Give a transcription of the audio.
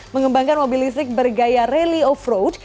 mengembangkan mobil listrik bergaya rally off road